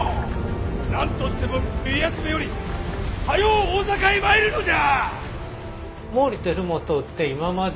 何としても家康めよりはよう大坂へ参るのじゃ！